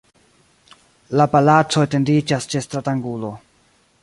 La palaco etendiĝas ĉe stratangulo.